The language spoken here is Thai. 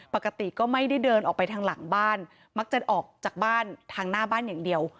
ปกติก็ไม่ได้เดินออกไปทางหลังบ้านมักจะออกจากบ้านทางหน้าบ้านอย่างเดียว